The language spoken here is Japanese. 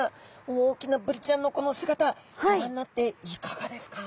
大きなブリちゃんのこの姿ご覧になっていかがですか？